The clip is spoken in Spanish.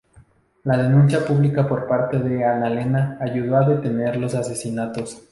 La denuncia pública por parte de Annalena ayudó a detener los asesinatos.